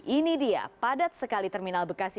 ini dia padat sekali terminal bekasi